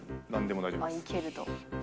いけると。